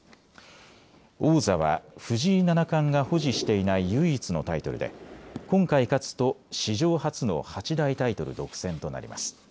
王座は藤井七冠が保持していない唯一のタイトルで今回勝つと史上初の八大タイトル独占となります。